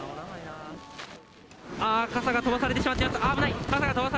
ああ、傘が飛ばされてしまっています。